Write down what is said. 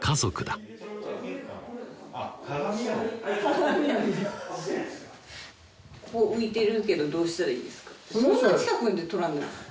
鏡あるんでここ浮いてるけどどうしたらいいですか？